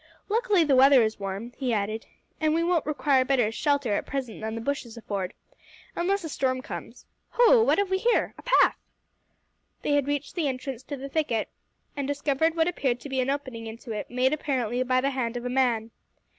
"Luckily the weather is warm," he added, "and we won't require better shelter at present than the bushes afford, unless a storm comes. Ho what have we here? a path!" They had reached the entrance to the thicket, and discovered what appeared to be an opening into it, made apparently by the hand of man.